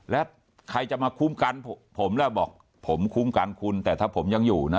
แล้วใครจะมาคุ้มกันผมแล้วบอกผมคุ้มกันคุณแต่ถ้าผมยังอยู่นะ